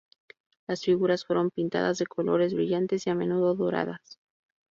Las figuras fueron pintadas de colores brillantes y a menudo doradas.